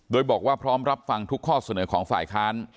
โดยบอกว่าพร้อมรับฟังทุกข้อเสนอของฝ่ายค้าน